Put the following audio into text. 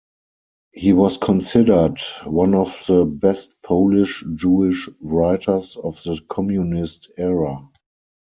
He was considered one of the best Polish-Jewish writers of the communist era.